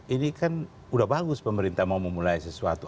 ini kan udah bagus pemerintah mau memulai sesuatu